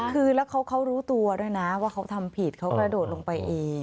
คือแล้วเขารู้ตัวด้วยนะว่าเขาทำผิดเขากระโดดลงไปเอง